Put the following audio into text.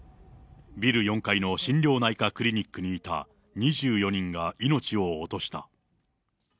ビル４階の心療内科クリニックにいた２４人が命を落とした。